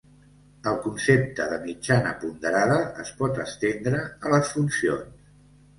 El concepte de mitjana ponderada es pot estendre a les funcions.